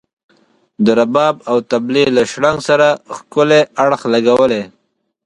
د رباب او طبلي له شرنګ سره ښکلی اړخ لګولی.